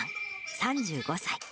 ３５歳。